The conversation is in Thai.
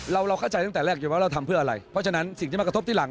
เราเราเข้าใจตั้งแต่แรกอยู่ว่าเราทำเพื่ออะไรเพราะฉะนั้นสิ่งที่มากระทบที่หลัง